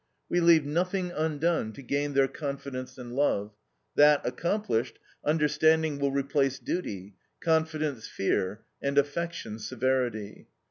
We leave nothing undone to gain their confidence and love; that accomplished, understanding will replace duty; confidence, fear; and affection, severity.